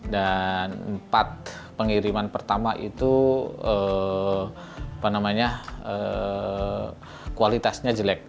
dan empat pengiriman pertama itu apa namanya kualitasnya jelek